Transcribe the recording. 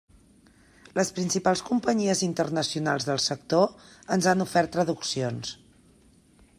Les principals companyies internacionals del sector ens han ofert traduccions.